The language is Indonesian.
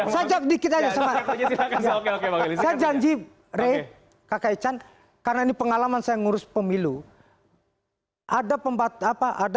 saya sedikit aja saya janji re kakai can karena ini pengalaman saya ngurus pemilu ada pembat apa ada